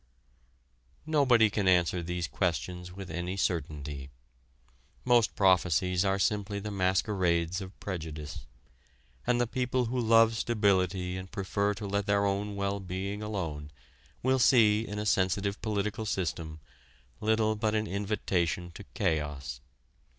Nobody can answer these questions with any certainty. Most prophecies are simply the masquerades of prejudice, and the people who love stability and prefer to let their own well being alone will see in a sensitive political system little but an invitation to chaos.